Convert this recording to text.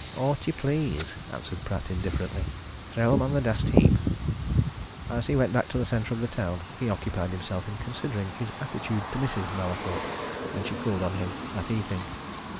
"Aught you please," answered Pratt, indifferently. "Throw 'em on the dust heap." As he went back to the centre of the town, he occupied himself in considering his attitude to Mrs. Mallathorpe when she called on him that evening.